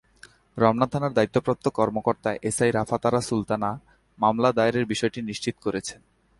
রমনা থানার দায়িত্বপ্রাপ্ত কর্মকর্তা এসআই রাফাত আরা সুলতানা মামলা দায়েরের বিষয়টি নিশ্চিত করেছেন।